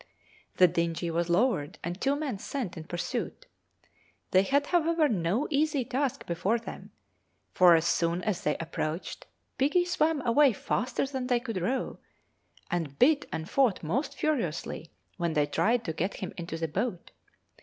The dingy was lowered and two men sent in pursuit. They had, however, no easy task before them, for as soon as they approached, piggy swam away faster than they could row, and bit and fought most furiously when they tried to get him into the boat.